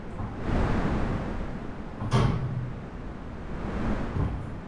Nilikuambia kila kitu ninachofanya